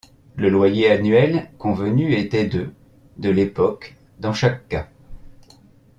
Le loyer annuel convenu était de de l’époque dans chaque cas.